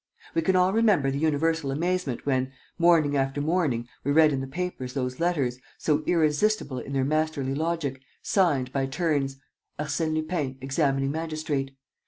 We can all remember the universal amazement when, morning after morning, we read in the papers those letters, so irresistible in their masterly logic, signed, by turns: "ARSÈNE LUPIN, Examining magistrate."